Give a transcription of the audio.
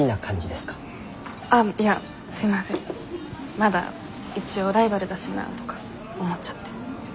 まだ一応ライバルだしなぁとか思っちゃって。